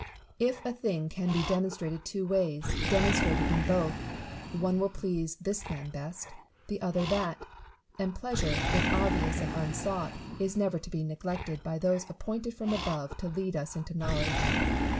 If a thing can be demonstrated two ways, demonstrate it in both : one will please this man best, the other that ; and pleasure, if obvious and unsought, is never to be neglected by those appointed from above to lead us into knowledge.